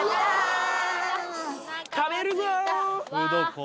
食べるぞー！